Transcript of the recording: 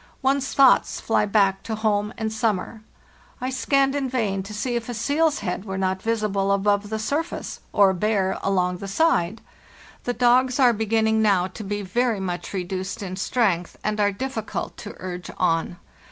One's thoughts fly back to home and summer. I scanned in vain to see if a seal's head were not visible above the surface, or a bear along the side. The dogs are begin ning now to be very much reduced in strength and are difficult to urge on.